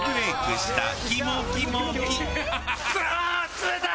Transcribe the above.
冷たい！